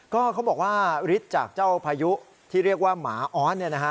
ก็เขาบอกว่าฤทธิ์จากเจ้าพายุที่เรียกว่าหมาอ้อนเนี่ยนะฮะ